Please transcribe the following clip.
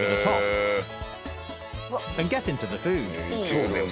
そうだよ